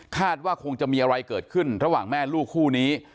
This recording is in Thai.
ว่าคงจะมีอะไรเกิดขึ้นระหว่างแม่ลูกคู่นี้